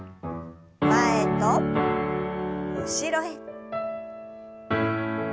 前と後ろへ。